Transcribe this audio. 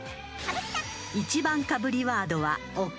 ［１番かぶりワードは「奥宮」］